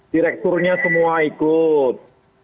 direkturnya semua ikut